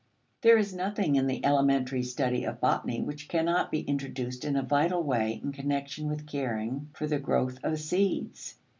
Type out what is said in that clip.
There is nothing in the elementary study of botany which cannot be introduced in a vital way in connection with caring for the growth of seeds.